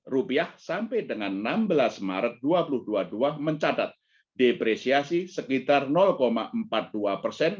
rupiah sampai dengan enam belas maret dua ribu dua puluh dua mencatat depresiasi sekitar empat puluh dua persen